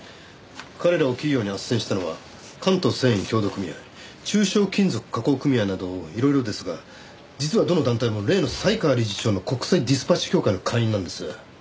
彼らを企業に斡旋したのは関東繊維協同組合中小金属加工組合などいろいろですが実はどの団体も例の犀川理事長の国際ディスパッチ協会の会員なんです。